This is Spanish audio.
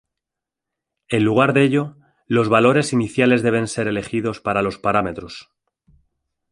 En lugar de ello, los valores iniciales deben ser elegidos para los parámetros.